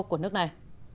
của nước này